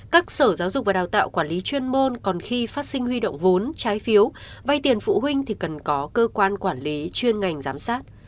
các sở giáo dục và đào tạo quản lý chuyên môn còn khi phát sinh huy động vốn trái phiếu vay tiền phụ huynh thì cần có cơ quan quản lý chuyên ngành giám sát